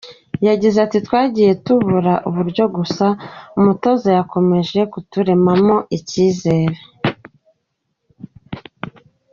Ygaize ati “Twagiye tubura uburyo gusa umutoza yakomeje kuturemamo icyizere.